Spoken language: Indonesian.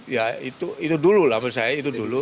ya itu dulu lah menurut saya itu dulu